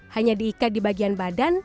hanya diikat di bagian badan